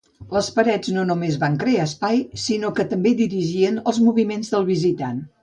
Les parets no només van crear l'espai, sinó que també dirigien els moviments del visitant.